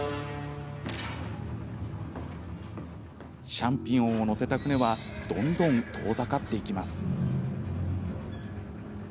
シャンピオンを乗せた船はどんどん遠ざかっていきます。